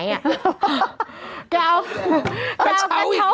เรยือแล้วแี๊กปริยายิ่ง